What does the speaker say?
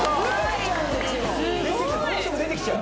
どうしても出てきちゃう？